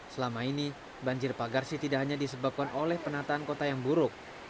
selama ini banjir pagarsi tidak hanya disebabkan oleh penataan kota yang buruk